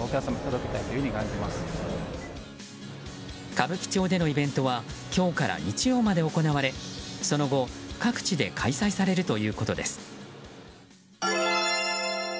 歌舞伎町でのイベントは今日から日曜まで行われその後、各地で開催されるということです。